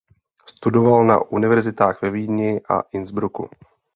Studoval na univerzitách ve Vídni a Innsbrucku.